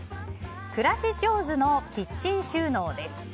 暮らし上手のキッチン収納です。